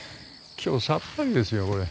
今日さっぱりですよこれ。